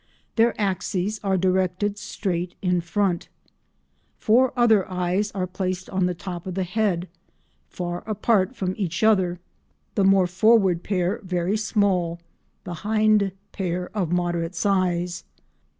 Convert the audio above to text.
Their axes are directed straight in front. Four other eyes are placed on the top of the head, far apart from each other, the more forward pair very small, the hind pair of moderate size.